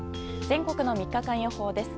全国の３日間予報です。